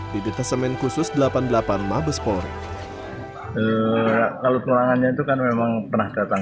di detesemen khusus delapan puluh delapan mabes polri kalau perangannya itu kan memang pernah datang